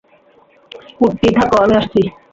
কুট্টি, থাকো, আমি আসছি।